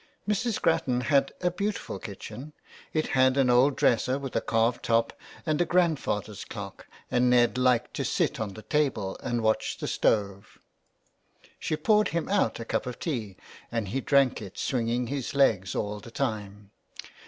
Mrs. Grattan had a beautiful kitchen. It had an old dresser with a carved top and a grandfather's clock, and Ned liked to sit on the table and watch the stove. She poured him out a cup of tea and he drank it, swinging his legs all the time.